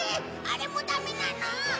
あれもダメなの？